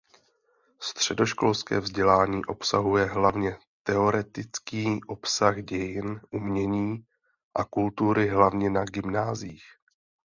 Středoškolské vzdělání obsahuje hlavně teoretický obsah dějin umění a kultury hlavně na gymnáziích.